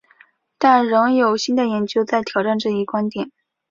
但仍有新的研究在挑战这一观点。